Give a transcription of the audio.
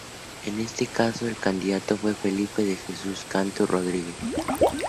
En este caso el candidato fue Felipe de Jesús Cantú Rodríguez.